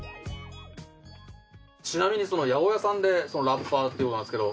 ちなみに八百屋さんでラッパーということなんですけど。